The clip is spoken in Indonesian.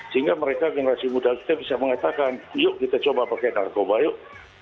sehingga mereka generasi muda kita bisa mengatakan yuk kita coba pakai narkoba yuk